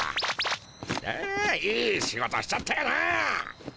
あいい仕事しちゃったよな。